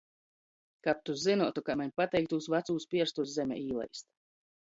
Kab tu zynuotu, kai maņ pateik tūs vacūs pierstus zemē īlaist.